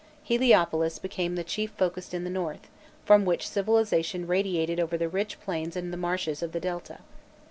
Heliopolis became the chief focus in the north, from which civilization radiated over the rich plains and the marshes of the Delta.